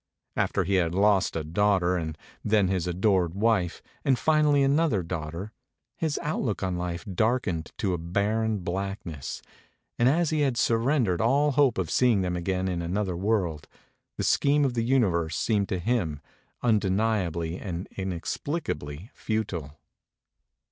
After he had lost a daughter and then his adored wife and finally another daughter, his outlook on life darkened to barren blackness; and as he had surrendered all hope of seeing them again in another world, the scheme of the universe seemed to him un deniably and inexplicably futile.